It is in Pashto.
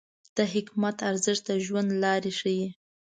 د حکمت ارزښت د ژوند لار ښیي.